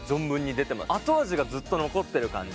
後味がずっと残ってる感じ。